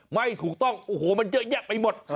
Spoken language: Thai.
ไม่ถูกต้องโอ้โหมันเยอะแยะไปหมด